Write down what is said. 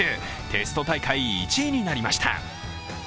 テスト大会１位になりました。